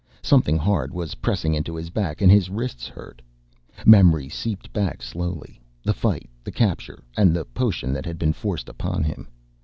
Something hard was pressing into his back and his wrists hurt. Memory seeped back slowly, the fight, the capture and the potion that had been forced upon him.